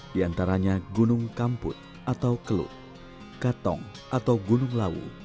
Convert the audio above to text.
di antaranya gunung kamput atau kelut katong atau gunung lawu